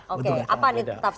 oke apa nih tafsirannya